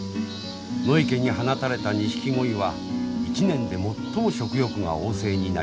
野池に放たれたニシキゴイは一年で最も食欲が旺盛になります。